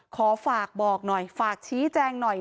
ขอฝากบอกหน่อยฝากชี้แจงหน่อย